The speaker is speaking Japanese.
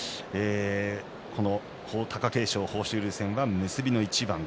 貴景勝、豊昇龍戦は結びの一番。